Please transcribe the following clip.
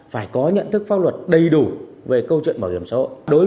phải có nhận thức pháp luật đầy đủ về câu chuyện bảo hiểm xã hội